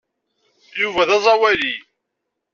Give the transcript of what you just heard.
Yuba d aẓawali.